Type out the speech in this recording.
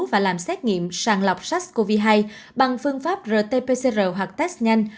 và làm xét nghiệm sàng lọc sars cov hai bằng phương pháp rt pcr hoặc test nhanh